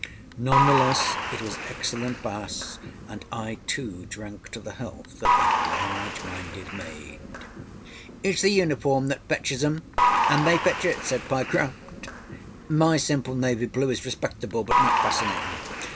None the less, it was excellent Bass, and I too drank to the health of that large minded maid. âItâs the uniform that fetches âem, anâ they fetch it,â said Pyecroft. âMy simple navy blue is respectable, but not fascinatinâ.